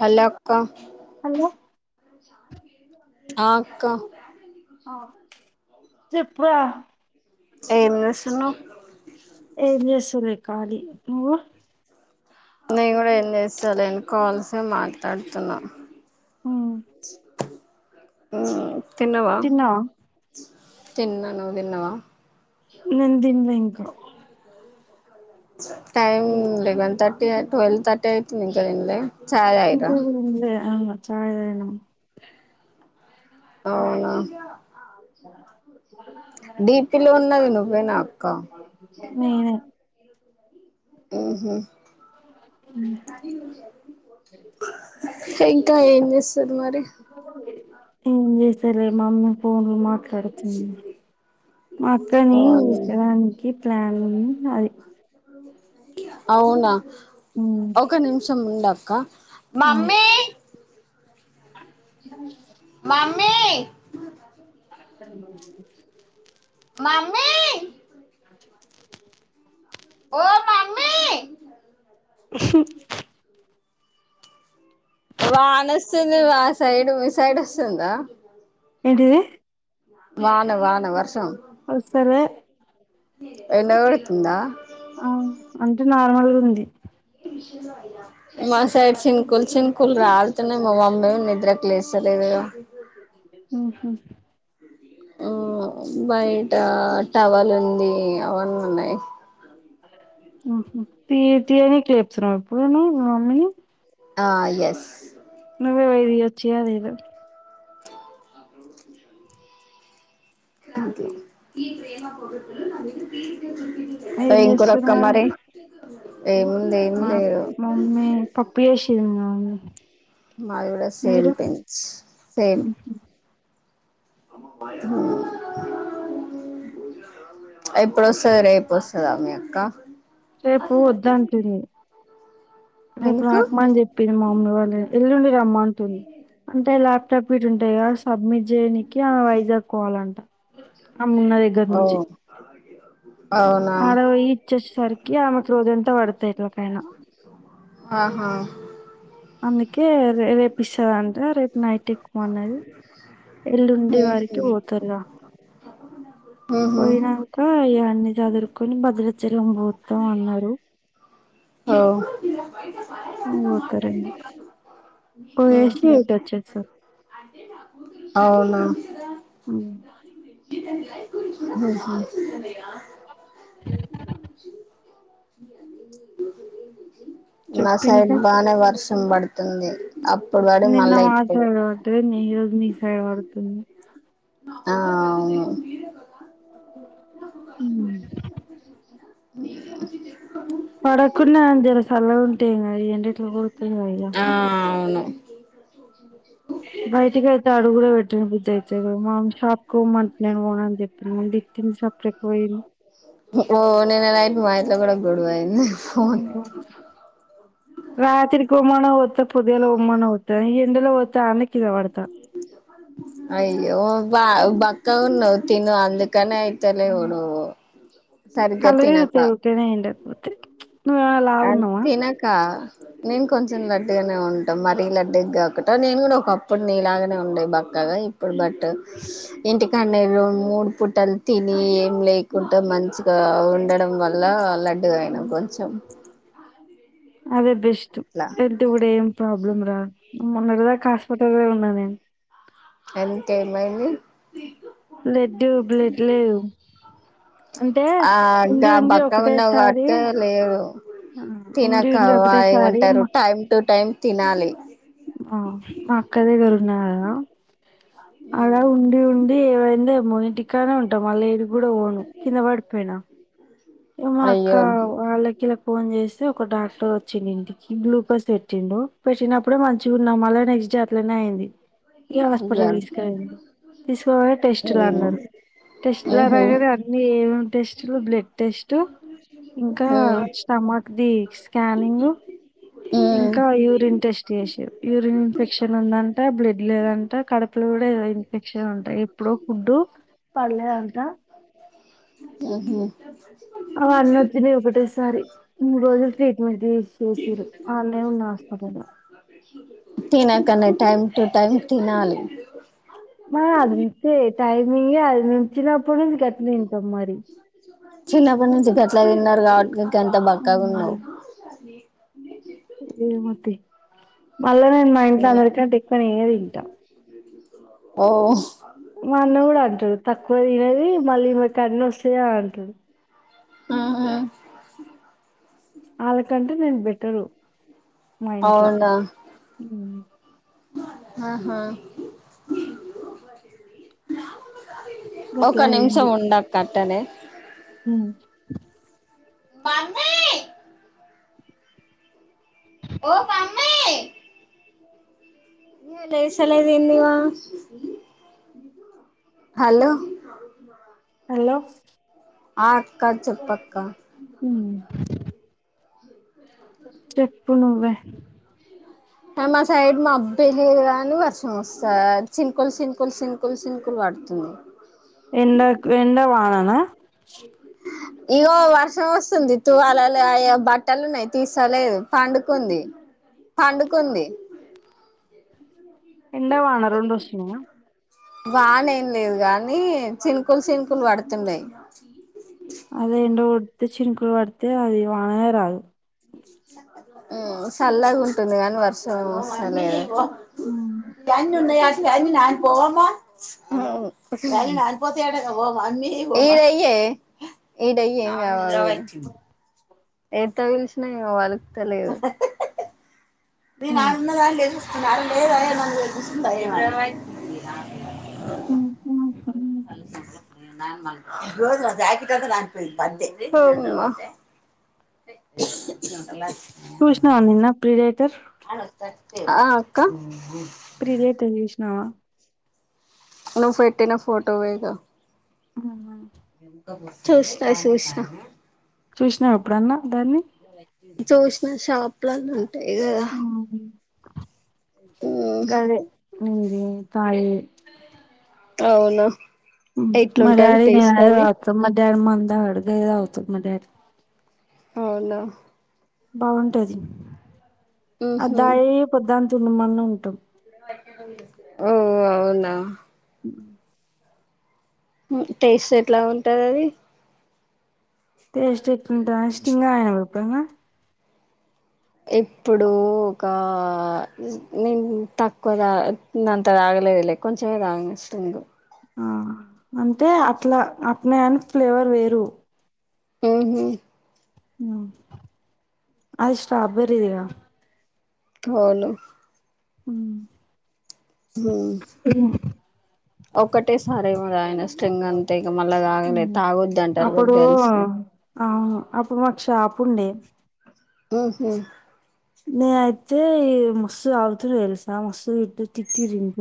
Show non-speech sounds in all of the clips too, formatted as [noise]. Hello అక్క hello ఆ అక్క చెప్పురా ఏం చేస్తున్నవ్ ఏం చేస్తుర్రే ఖాళీ నువ్వు నేను కూడా ఏం చేసలేను కాల్స్ ఏ మాట్లాడుతున్నా ఉమ్, ఉ తిన్నావా తిన్నా నువ్వు తిన్నావా నేను దినలే ఇంకా టైమ్ లెవెన్ అయి థర్టీ ట్వెల్వ్ థర్టీ అయితుంది ఇంకా తినలే చాయ్ తాగిర్రా ఇంకా తినలే ఆ చాయ్ తాగినాం అవునా [inaudible] డిపిలో ఉన్నది నువ్వే నా అక్క నేనే ఉహూ ఇంకా ఏం చేస్తురు మరి ఏం చేసేలే మమ్మీ ఫోన్లు మాట్లాడుతుంది మా అక్కని అవునా తీసకరానికి ప్లాన్ అది అవునా ఉమ్, ఒక నిమిషం ఉంక్క మమ్మీ బ మామ్ చ మమ్మీ ఓ మామ్మీ వాన వస్తుంది వా సైడ్ మీ సైడ్ వస్తుందా ఏంటిది వాన వాన వర్షం వస్తలే ఎండ కోడుతుందా ఆ, అంటే నార్మల్గా ఉంది మా సైడ్ చినుకులు చినుకులు రాలుతున్నాయి మా ముమ్మేమో నిద్రకు లేస్తాలేదుగా ఉహు, బయట టవల్ ఉంది అవన్నీ ఉన్నాయి తీ తీయనికి లేపుతున్నావ ఇప్పుడు మీ మమ్మీని ఆ ఎస్ నువ్వే పోయి తీయచ్చుగా అదేదో అే ఈ ప్రేమ పో ఏం ఎం కూరక్క చేస్తుర్రు మరి ఏముంది ఏం మా లేదు మమ్మీ పప్పు చేసింది మా మమ్మీ మాది కూడా సేమ్ మీరు పించ్ సేమ్ ఎప్పుడు వస్తది రేప్పు వస్తదా మీ అక్క రేపు వద్దంటింది రేపు ఎందుకు రాకు మని చెప్పింది మా మమ్మీ వాళ్ళ ఎల్లుండి రమ్మంటుంది అంటే ల్యాప్టాప్ ఇటు ఉంటాయి సబ్మిట్ చేయనికి ఆమె వైజాగ్కోవాలంట అమీ ఉన్న దగ్గర ఓ నుంచి అవునా ఆడ పోయి ఇచ్చచ్చ సరికి ఆమెకు రోజంత వాడతాయిట్లా ఆహా అందుకే రేరేప్ ఇస్తదంట రేప్ నైట్ ఎక్కుమన్నది ఉహు ఎల్లుండివారకి వోతారుగా ఉహు పోయినంక ఇయన్నీ చదురుకొని భద్రాచలం పోతం అన్నరు ఓ పోతరేమో పోయేసి ఉహు ఇటచ్చేస్తార్ అవునా ఉ ఉహు మా చెప్పు సైడ్ ఇంకా బానే వర్షం పడుతుంది అప్పుడు పడి నిన్న మళ్ళా మా ఇప్పుడు సైడ్ పడ్డది నీ ఈ రోజ్ మీ సైడ్ పడుతుంది ఆ అవును ఉమ్. [unintelligible] పడకున్నగాన్ జర చల్లగుంటే ఏంగాద్ ఈ ఎండెట్లా గొడుతుందిగా ఇగ ఆ అవును బయటికి అయితే అడుగు గూడ పెట్టనే బుద్దఅయితలేద్ మామ్ షాప్ కు పొమ్మంట్ నేను పోనని చెప్పిన పెట్టింది సప్రేక్ పోయింది ఓ నిన్ననైయిట్ మా ఇంట్ల కుడా గోడవైంది మనం రోబో [unintelligible] రాత్రికి పొమ్మన్న పోతా పొద్దుగాల పొమ్మన్న పోతా ఈ ఎండల పోతే అన్నేకిందపడ్తా అయ్యో బాగ్ బక్కగున్నవ్ తిను అందుక్ కానయితలేవ్ నువ్వు సరిగ్గా కల్లు తినక తిరుగుతాయి ఉకనే ఎండక్ పోతే నువ్వేమైనా అద్ లావున్నావా తినక నేను కొంచెం లడ్డుగనే ఉంట మరీ లడ్డుగ కాకుంట నేన్ కూడా ఒకప్పుడ్ నీ లాగనే ఉండే బక్కగ అదే ఇప్పుడు బట్ ఇంటికన్నె రోండ్ మూడు పుటల్ తిని ఏం లేకుంటా మన్ మంచిగా ఉండడం వల్ల లడ్డుగయినా కొంచెం అదే బెస్ట్ అట్లా హెల్త్ గూడా ఏం ప్రాబ్ ఏం రాద్ మొన్నటి దాకా హాస్పిటల్ ఉన్నా నేన్ ఎందుకు ఎమైంది బ్లడ్ బ్లడ్ లేదు అంటే ఆ అంటే ఉండి ఆ ఉండి బక్కగున్నావు ఒకటేసారి కాబట్టి లేవు ఆ ఉండి ఉండి తినకవాయ్ ఒకటేసారి ఉంటారు మా టైమ్ టు టైం తినాలి ఆ మా అక్క దగ్గరున్నగదా అడ ఉండి ఉండి ఏవై దేమో ఇంటికానే ఉంట మళ్ళ ఏడిక్ కూడా ఓను కింద పడిపోయినా ఏమో అక్క అయ్యో వాళ్ళకిల్లక్ ఫోన్ చేస్తే ఒక డాక్టర్ వచ్చిండు ఇంటికి గ్లూకోస్ పెట్టిండు పెట్టినప్పుడే మంచిగున్నా మళ్ళ నెక్స్ట్ జాట్లనే అయింది ఇగ అయ్యో హాస్పిటల్ తీసుకపోయింది. తీసుకోపోతే టెస్ట్ మ్మ్ లన్నారు టెస్ట్ మ్మ్ హ్మ్ ఆగనే అన్ని ఏమేం టెస్ట్లు బ్లడ్ టెస్ట్ ఇంకా స్టమక్ ది స్కానింగ్ మ్మ్ ఇంకా యూరిన్ టెస్ట్ చేసిర్రు యూరిన్ ఇన్ఫెక్షన్ ఉందంట బ్లడ్ లేదంట్ ఎప్పుడో ఫుడ్ పడలేదంట [unintelligible] [inaudible] ఉహు అవన్నచ్చినయి ఒకటేసారి మూడు రోజులు ట్రీట్మెంట్ చేస్ చేసిర్రు అన్నే ఉన్న హస్ అట్టనా తినకనే టైమ్ టూ టైం తినాలి మా అంతే టైమింగే అది మేం చినప్పుట్నుంచి ఆట్నే తింటాం మరి చిన్నప్పట్నుంచి గట్లా తిన్నారు కాబట్టే గంత బక్కగున్నావ్ ఏమో తి మళ్ళనేన్ మా ఇంట్ల అందరి కంటే ఎక్కువ నేనె తింట ఓ మా అన్న కూడా అంటడు తక్కువ తినది మళ్ళీ ఇమెకు ఆన్నస్తయి అన్ అంటడు ఉహ్ వాళ్ళకంటే నేను బెటరు మా ఇంట్ల అవునా ఆహా ఒక గట్లా నిమిషం ఉండక్క ఆట్టనే హ్ మమ్మీ ఓ మమ్మీ ఈమె లేస్తలేదు ఏందిగా హలో హలో ఆ అక్క చెప్పక్క ఉమ్ చెప్పు నువ్వే మా సైడ్ మాబ్బె లేదు గానీ వర్షం వస్త చిన్కుల్ చిన్కుల్ చిన్కుల్ ప పడుతూ ఎండాక్ ఎండా వాననా [inaudible] ఇగో వర్షం వస్తుంది తూవ్వాల అ బట్టలు ఉన్నాయి. తీస్తలేదు పండుకుంది పండుకుంది ఎండ వాన రెండొస్తున్నయా? వానేం లేదు కానీ చినుకులు చినుకులు పడుతున్నాయి అదే ఎండ కొడితే చినుకులు పడితే అది వాననేే రాదు మ్ చల్లగుంటుంది కానీ వర్షం వస్తలే ఉమ్. [unintelligible] ఉన్నయా [inaudible] [inaudible] కే ఈడ ఏం గావ ఎంత పిల్సిన ఈమె పలుకుత లేదు మీ నాన్న కా లేదు [unintelligible] [inaudible] న మజ జాకెట్ అంద నా బందే [inaudible] చుశినవా నిన్న ప్రీ రైటర్ ఆ అక్క నా నువ్ పెట్టిన ఫోటో వేగ అవున చూస్న చూస్నా చూస్నావ ఎప్పుడన్న దాన్ని? చూసిన షాప్లళ్ళ ఉంటాయి కదా ఉమ్ గదె ఉ దీతాయిి అవునా మరి అదే నేనది అక్క మధ్యాహ్నం మందు తాగడు టీ తాగుతాడు మా డాడీ అవునా బాగుంటది ఉహు అబ్బాయి పొద్దుని తున్నమన్నగ ఉంటాం ఓ అవునా ఉ ఉ టేస్ట్ ఎట్ల ఉంటది అది? టేస్ట్ ఎట్లుంటాదని స్టింగా ఆయన రూపాయనా ఎప్పుడు ఒక నేను తక్కువగ అంత తాగ గలేదులే కొంచమే తాగిన స్ట్రింగ్ ఆ అంటే అట్లా అట్నేకాని ఫ్లేవర్ వేరు ఊహు ఆ అది స్ట్రాబెర్రీదిగా అవును హు హు ఒక్కటే సారే ఏమోగా తాగిన స్ట్రింగ్ అంటే ఇగ మళ్ళా తాగాలే తాగొద్దంటారు గా అప్పుడు గర్ల్స్ ని అవును అప్పుడు మాక్ షాపు ఉండే ఊహు నే అయితే ఈ మస్తు తాగుతురు తెలుసా మస్తు తిట్టి తిట్టి రి ఇంక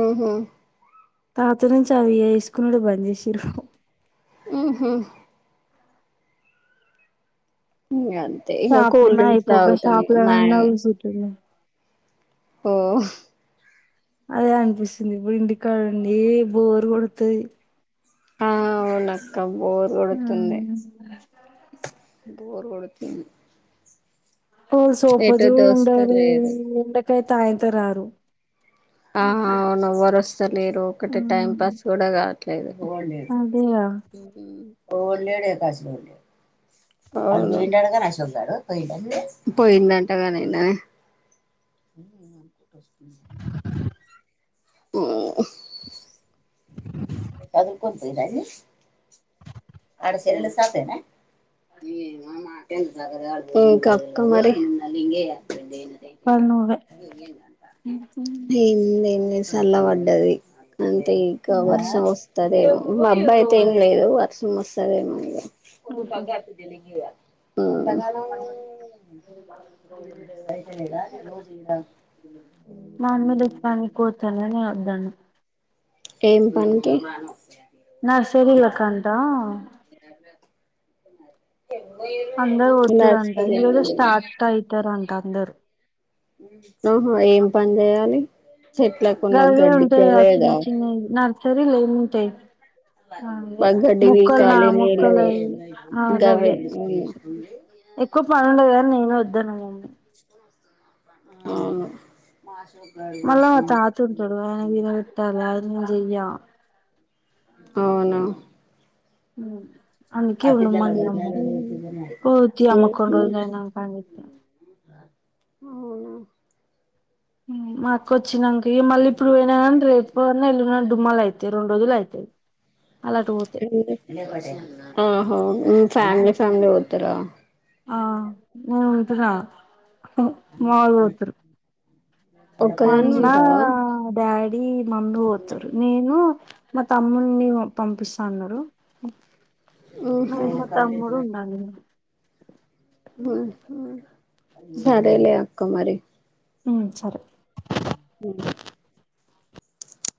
ఉహు తాత నుంచి అవి ఏసుకునుడు బంద్ చేసింరు ఊహు ఇగ అంతే ఇగ షాప్ కూల్ ఉన్నా డ్రింక్స్ అయిపోక తాగుతాం షాప్ మా లోనన్నా ఆ కూసుంటున్నా ఓ అదే అనిపిస్తుంది ఇప్పుడు ఇంటికాడ ఉండి ఏ బోర్ కొడతది ఆ అవునక్క బోర్ కొడుతుంది బోర్ కొడుతుంది ఓ సూపు ఎటు చూడవే దోస్తలేదు ఎండకి అయితే ఆ ఇంత రాదు ఆ అవును ఎవ్వరు వస్త లేరు ఒకటి టైం పాస్ కూడా కావట్లేదు ఎవడ్ లేడు అదేగా ఎవడ్ లేడే బస్సు పోయిండంట అంట గాని నిన్న అనుకుంటా వస్తుంది ఓ తగులుకొని పోయిరా ఆడు సెల్లులా షాప్ ఏనా ఇంకా అక్క మరి పని నువ్వే ఏముంది ఏం లేదు చల్ల పడ్డది అంటే ఇంకా వర్షం వస్తది ఏమో మబ్బు అయితే ఏం లేదు వర్ష్ వస్తదేమో ఇగ ఆ రోజు నన్మమీది పనికుతనే నే వద్దన్నా ఏం పన్ కి నర్సరీలు కంట అందరూ పోతురంట లక్షలే ఈరోజు స్టార్ట్ అయితారంట అందరూ ఓహో ఏం పన్ చేయాలి చెట్లకున్న గవ్వే గడ్డి ఉంటాయి గా చిన్న గవేగా చిన్నవి నర్సరీలో ఏముంటాయి ఆ అదే గడ్డి మొక్కల్ నా పీకాలి నీళ్ళు మొక్కల ఆ గవే గవ్వే అవును ఎక్కువ పనుండదని నేనే వద్దాను లెండి అవును మళ్ళా మా తాత ఉంటడు ఆయనకి తినబెట్టాలే అవన్నీ నే చెయ్య అవునా హు అందుకే ఉండమన్నము పోతి అమ్మ కొన్ని ఉహు రోజులైనా పనికి అవునా మా అక్క వచ్చినంకే మళ్ళీ ఇప్పుడు పోయిన కాన్ రేపు పోవాలా ఎల్లుండన్న డుమ్మాలు అయితయి రెండు రోజులు అయితయి మళ్ళ అటు పోతే ఓహో మీ ఫ్యామిలీసు అందరు పోతారా ఆ మీరుపోతారా ఆ మవోళ్ళు పోతరు మా ఒక్కదానివే అన్న ఉంటావా డాడీ మమ్మీ పోతరు నేను మా తమ్ముని పంపిస్తాన్నారు ఉహు నిను మా తమ్ముడు ఉండాలే సరేలే అక్క మరి ఉ సరే ఉ